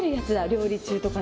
料理中とかに。